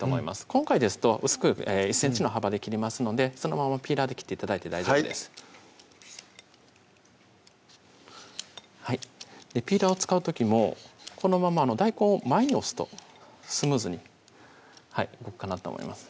今回ですと薄く１ｃｍの幅で切りますのでそのままピーラーで切って頂いて大丈夫ですピーラーを使う時もこのまま大根を前に押すとスムーズに動くかなと思います